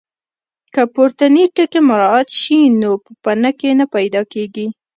که پورتني ټکي مراعات شي نو پوپنکي نه پیدا کېږي.